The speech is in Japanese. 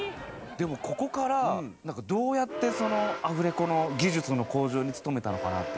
でもここからどうやってアフレコの技術の向上に努めたのかなっていう。